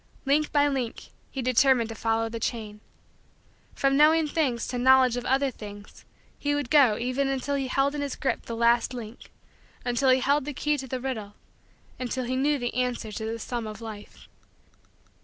Link by link, he determined to follow the chain. From knowing things to knowledge of other things he would go even until he held in his grip the last link until he held the key to the riddle until he knew the answer to the sum of Life.